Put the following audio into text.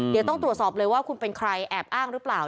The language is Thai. เดี๋ยวต้องตรวจสอบเลยว่าคุณเป็นใครแอบอ้างหรือเปล่า